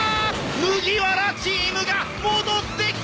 麦わらチームが戻ってきた！